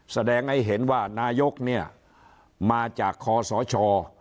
แสดงให้เห็นว่านายกเนี่ยมาจากคอสช